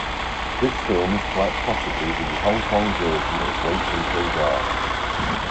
This film is quite possibly the Hong Kong version of Wait Until Dark.